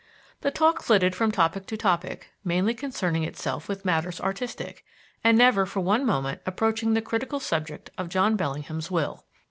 The talk flitted from topic to topic, mainly concerning itself with matters artistic, and never for one moment approaching the critical subject of John Bellingham's will.